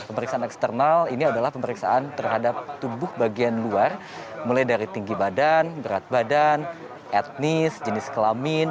pemeriksaan eksternal ini adalah pemeriksaan terhadap tubuh bagian luar mulai dari tinggi badan berat badan etnis jenis kelamin